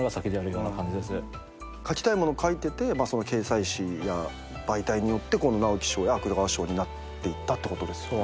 書きたいもの書いててその掲載誌や媒体によってこの直木賞や芥川賞になっていったってことですよね。